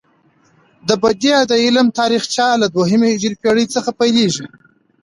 د بدیع د علم تاریخچه له دوهمې هجري پیړۍ څخه پيلیږي.